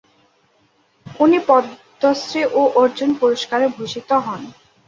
উনি পদ্মশ্রী ও অর্জুন পুরষ্কারে ভূষিত হন।